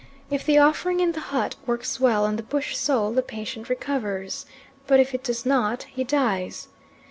If the offering in the hut works well on the bush soul, the patient recovers, but if it does not he dies.